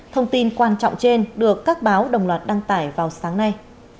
thông tin quan trọng trên được các báo đồng ý